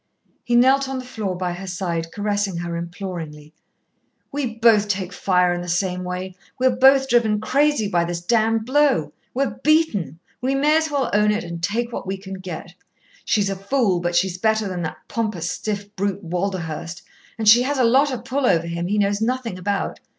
He knelt on the floor by her side, caressing her imploringly. "We both take fire in the same way. We are both driven crazy by this damned blow. We're beaten; we may as well own it and take what we can get. She's a fool, but she's better than that pompous, stiff brute Walderhurst, and she has a lot of pull over him he knows nothing about.